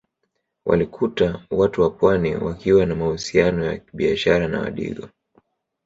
Walikuta Watu wa Pwani wakiwa na mahusiano ya kibiashara na Wadigo